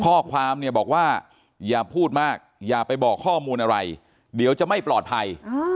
ข้อความเนี่ยบอกว่าอย่าพูดมากอย่าไปบอกข้อมูลอะไรเดี๋ยวจะไม่ปลอดภัย